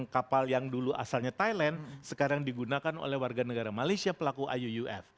kapal yang dulu asalnya thailand sekarang digunakan oleh warga negara malaysia pelaku iuuf